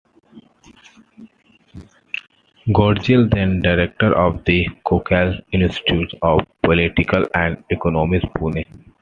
Gadgil, then-director of the Gokhale Institute of Politics and Economics, Pune.